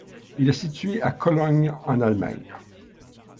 Il est situé à Cologne en Allemagne.